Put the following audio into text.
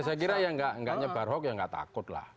ya saya kira yang gak nyebar huk yang gak takut lah